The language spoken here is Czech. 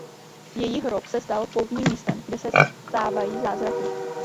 Její hrob se stal poutním místem kde se stávají zázraky.